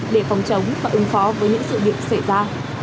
để phòng chống và ứng phó với những sự việc xảy ra